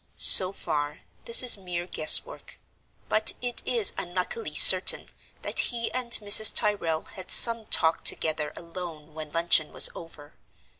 "So far, this is mere guess work; but it is unluckily certain that he and Mrs. Tyrrel had some talk together alone when luncheon was over.